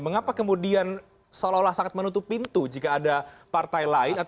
mengapa kemudian seolah olah sangat menutup pintu jika ada partai lain